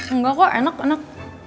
enggak kok enak enak